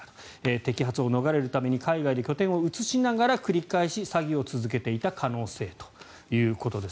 摘発を逃れるために海外に拠点を移しながら繰り返し詐欺を続けていた可能性ということです。